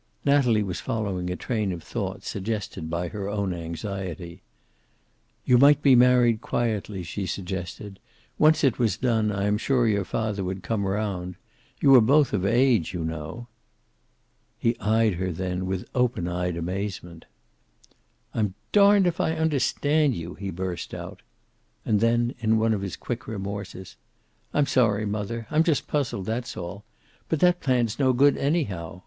Natalie was following a train of thought suggested by her own anxiety. "You might be married quietly," she suggested. "Once it was done, I am sure your father would come around. You are both of age, you know." He eyed her then with open eyed amazement. "I'm darned if I understand you," he burst out. And then, in one of his quick remorses, "I'm sorry, mother. I'm just puzzled, that's all. But that plan's no good, anyhow.